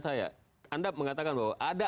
saya anda mengatakan bahwa ada